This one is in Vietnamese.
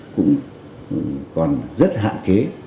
cũng còn rất hạn chế